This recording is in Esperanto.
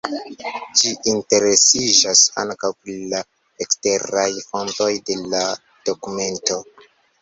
Ĝi interesiĝas ankaŭ pri la eksteraj fontoj de la dokumento.